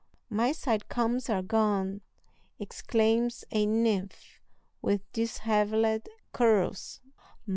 "My side combs are gone!" exclaims a nymph with dishevelled curls.